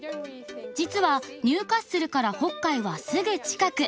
実はニューカッスルから北海はすぐ近く。